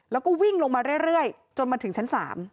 แล้วก็วิ่งลงมาเรื่อยจนมาถึงชั้น๓